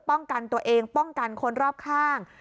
ป้องกันตัวเองป้องกันคนรอบข้าง